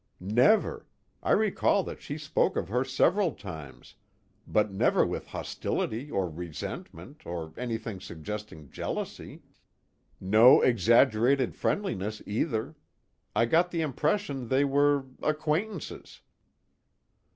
"Never. I recall that she spoke of her several times, but never with hostility or resentment or anything suggesting jealousy. No exaggerated friendliness either. I got the impression they were acquaintances."